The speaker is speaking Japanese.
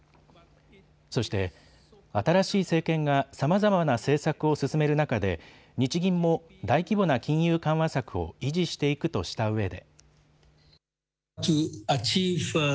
そして、新しい政権がさまざまな政策を進める中で日銀も大規模な金融緩和策を維持していくとしたうえで。